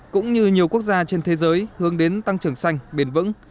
cũng như nhiều quốc gia trên thế giới hướng đến tăng trưởng xanh bền vững